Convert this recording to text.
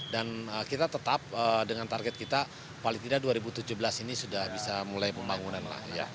dan kita tetap dengan target kita paling tidak dua ribu tujuh belas ini sudah bisa mulai pembangunan